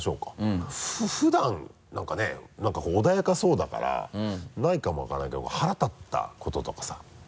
普段なんかねなんか穏やかそうだからないかもわからないけど腹立ったこととかさ。